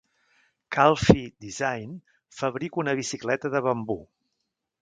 Calfee Design fabrica una bicicleta de bambú.